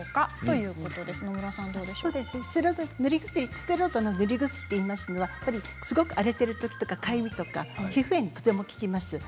ステロイド、ぬり薬といいますのはすごく荒れているとき、かゆみとか皮膚炎にとても効きます。